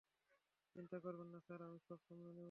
চিন্তা করবেন না স্যার, আমি সব সামলে নেব।